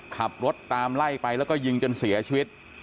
ขับรถตามไล่ไปแล้วก็ยิงจนเสียชีวิต